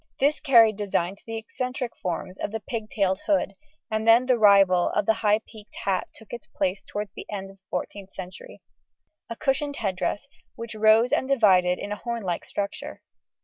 This carried design to the eccentric forms of the pig tailed hood, and then the rival of the high peaked hat took its place towards the end of the 14th century a cushioned head dress, which rose and divided in a hornlike structure.